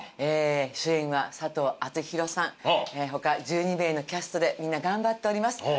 主演は佐藤アツヒロさん他１２名のキャストでみんな頑張っております。